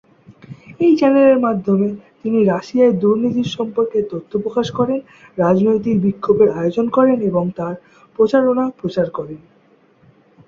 এই চ্যানেলের মাধ্যমে, তিনি রাশিয়ায় দুর্নীতি সম্পর্কে তথ্য প্রকাশ করেন, রাজনৈতিক বিক্ষোভের আয়োজন করেন এবং তার প্রচারণা প্রচার করেন।